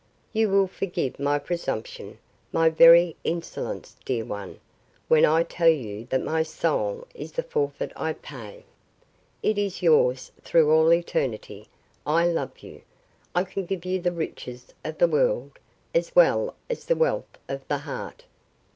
You will forgive my presumption my very insolence, dear one, when I tell you that my soul is the forfeit I pay. It is yours through all eternity. I love you. I can give you the riches of the world as well as the wealth of the heart.